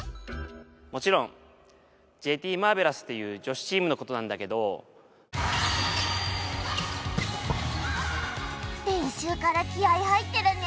もちろんＪＴマーヴェラスっていう女子チームのことなんだけど練習から気合い入ってるね